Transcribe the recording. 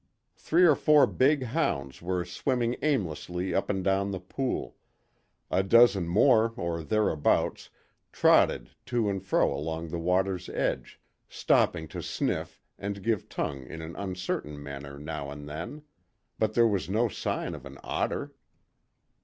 Three or four big hounds were swimming aimlessly up and down the pool; a dozen more or thereabouts trotted to and fro along the water's edge, stopping to sniff and give tongue in an uncertain manner now and then; but there was no sign of an otter.